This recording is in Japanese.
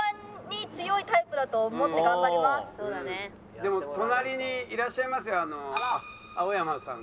でも隣にいらっしゃいますよ青山さんが。